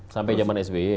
sampai zaman sby